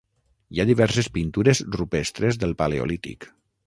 Hi ha diverses pintures rupestres del paleolític.